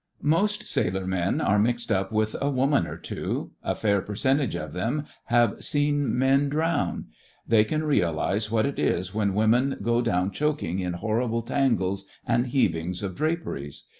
Most sailor men are mixed up with a woman or two; a fair percentage of them have seen men drown. They can realize what it is when women go down choking in horrible tangles and heavings of dra peries.